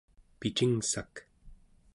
picingssak